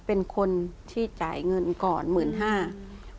เป็นคนที่จ่ายเงินก่อน๑๕๐๐บาท